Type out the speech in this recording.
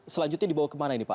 selanjutnya dibawa kemana ini pak